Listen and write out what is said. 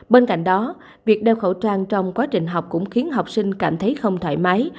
bên cạnh đó việc đeo khẩu trang trong quá trình học cũng khiến học sinh cảm thấy không thoải mái